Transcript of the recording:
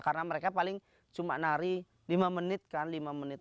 karena mereka paling cuma nari lima menit kan lima menit